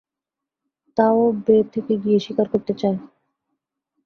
তা ও বে থেকে গিয়ে শিকার করতে চায়।